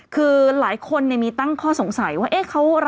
คือหลายคนมีตั้งข้อสงสัยว่า